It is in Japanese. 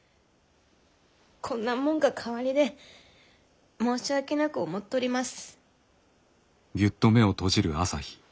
こんなもんが代わりで申し訳なく思っとります。